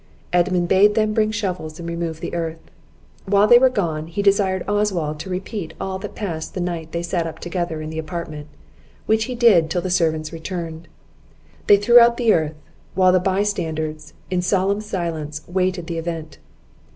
Edmund bade them bring shovels and remove the earth. While they were gone, he desired Oswald to repeat all that passed the night they sat up together in that apartment, which he did till the servants returned. They threw out the earth, while the by standers in solemn silence waited the event.